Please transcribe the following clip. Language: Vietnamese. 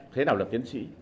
thế nào là tiến sĩ